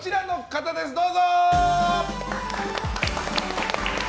どうぞ！